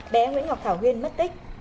bé nguyễn ngọc thảo nguyên mất tích